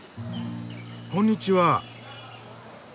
こんにちは。